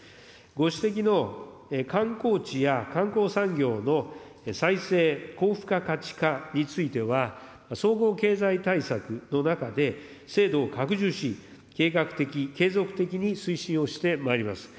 ご指摘の観光地や観光産業の再生、高付加価値化については、総合経済対策の中で、制度を拡充し、計画的、継続的に推進をしてまいります。